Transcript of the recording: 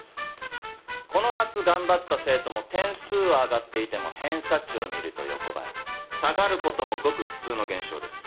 この夏頑張った生徒も点数は上がっていても偏差値を見ると横ばい下がることもごく普通の現象です。